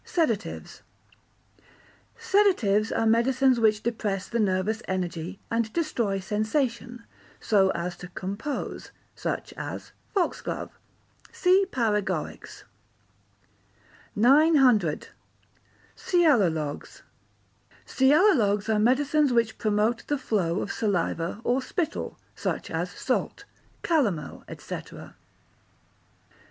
Sedatives Sedatives are medicines which depress the nervous energy, and destroy sensation, so as to compose, such as foxglove. (See Paregorics.) 900. Sialogogues Sialogogues are medicines which promote the flow of saliva or spittle, such as salt, calomel, &c. 901.